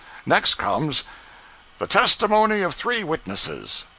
Next comes: THE TESTIMONY OF THREE WITNESSES.